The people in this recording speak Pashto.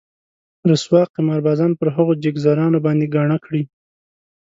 رسوا قمار بازان پر هغو جيزګرانو باندې ګاڼه کړي.